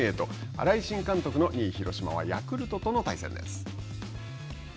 新井新監督の２位広島は、ヤクルトとの対戦です。